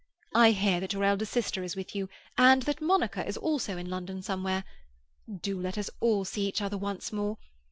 I hear that your elder sister is with you, and that Monica is also in London somewhere. Do let us all see each other once more.